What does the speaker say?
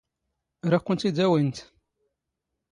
ⵔⴰⴷ ⴽⵯⵏⵜ ⵉⴷ ⴰⵡⵉⵏⵜ?